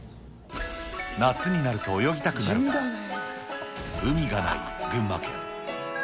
夏になると泳ぎたくなるが、海がない群馬県。